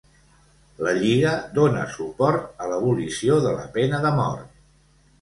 La Lliga dona suport a l'abolició de la pena de mort.